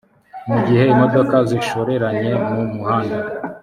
mu gihe imodoka zishoreranye mu muhanda